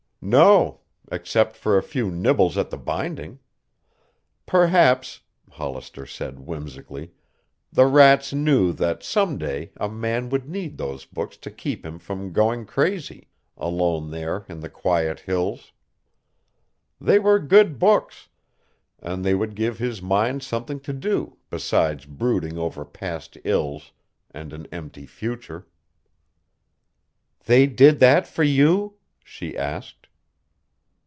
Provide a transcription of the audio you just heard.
"No. Except for a few nibbles at the binding. Perhaps," Hollister said whimsically, "the rats knew that some day a man would need those books to keep him from going crazy, alone there in those quiet hills. They were good books, and they would give his mind something to do besides brooding over past ills and an empty future." "They did that for you?" she asked.